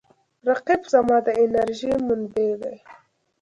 رقیب زما د انرژۍ منبع دی